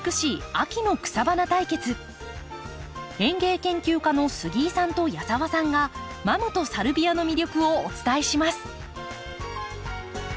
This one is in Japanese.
園芸研究家の杉井さんと矢澤さんがマムとサルビアの魅力をお伝えします。